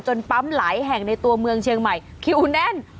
ปั๊มหลายแห่งในตัวเมืองเชียงใหม่คิวแน่น